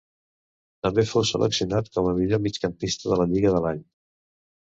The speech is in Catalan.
També fou seleccionat com a millor migcampista de la lliga de l'any.